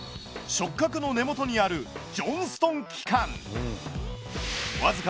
触角の根元にあるジョンストン器官。